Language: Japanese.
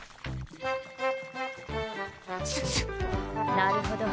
なるほど。